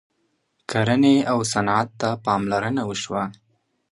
کرنې او صنعت ته پاملرنه وشوه.